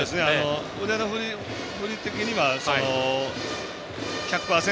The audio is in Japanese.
腕の振り的には１００％